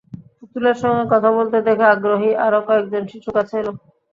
পুতুলের সঙ্গে কথা বলতে দেখে আগ্রহী আরও কয়েকজন শিশু কাছে এল।